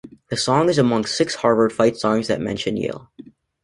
The song is among six Harvard fight songs that mention Yale.